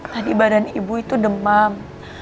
tadi badan ibu itu demam